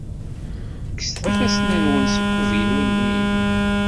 Kkset ifassen-nwen seg uvilu-inu!